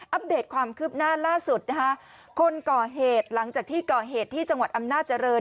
เดตความคืบหน้าล่าสุดนะคะคนก่อเหตุหลังจากที่ก่อเหตุที่จังหวัดอำนาจริง